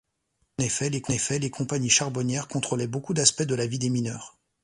En effet, les compagnies charbonnières contrôlaient beaucoup d'aspects de la vie des mineurs.